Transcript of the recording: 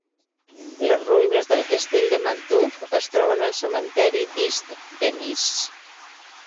Les ruïnes del castell de Macduff es troben al cementiri d'East Wemyss.